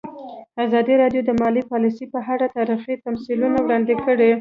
ازادي راډیو د مالي پالیسي په اړه تاریخي تمثیلونه وړاندې کړي.